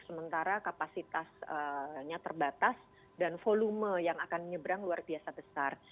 sementara kapasitasnya terbatas dan volume yang akan menyeberang luar biasa besar